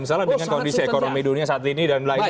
misalnya dengan kondisi ekonomi dunia saat ini dan lainnya